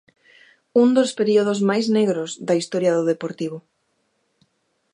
Un dos períodos máis negros da historia do Deportivo.